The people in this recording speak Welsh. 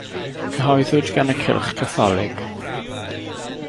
Cyhoeddwyd gan y Cylch Catholig.